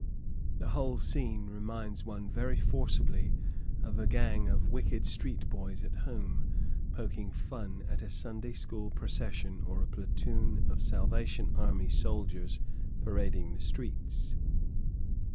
The whole scene reminds one very forcibly of a gang of wicked street boys at home, poking fun at a Sunday school procession or a platoon of Salvation Army soldiers parading the streets.